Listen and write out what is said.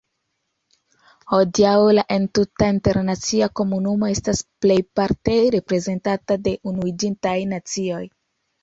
Hodiaŭ la entuta internacia komunumo estas plejparte reprezentata de Unuiĝintaj Nacioj.